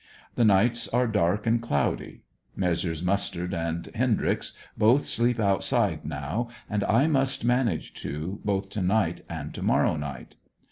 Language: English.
The nights are dark and cloudy. Messrs. Mustard and Hendryx both sleep outside now, and I must manage to, both to night and to morrow night.